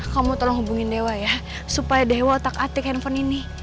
kamu tolong hubungin dewa ya supaya dewa otak atik handphone ini